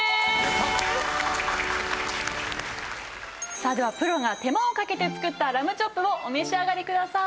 さあではプロが手間をかけて作ったラムチョップをお召し上がりください。